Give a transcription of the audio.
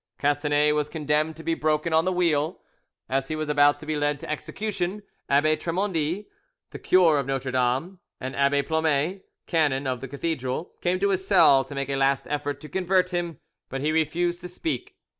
Castanet was condemned to be broken on the wheel. As he was about to be led to execution, Abbe Tremondy, the cure of Notre Dame, and Abbe Plomet, canon of the cathedral, came to his cell to make a last effort to convert him, but he refused to speak.